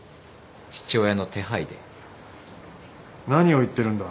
何を言ってるんだ。